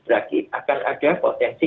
lagi akan ada potensi